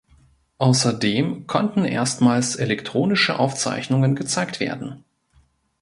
Außerdem konnten erstmals elektronische Aufzeichnungen gezeigt werden.